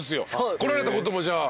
来られたこともじゃあ。